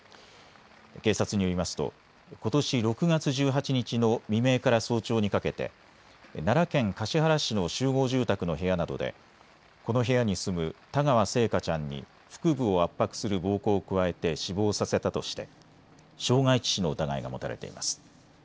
警察によりますとことし６月１８日の未明から早朝にかけて奈良県橿原市の集合住宅の部屋などでこの部屋に住む田川星華ちゃんに腹部を圧迫する暴行を加えて死亡させたとして傷害致死の疑いが持たれています。